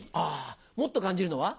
もっと感じるのは？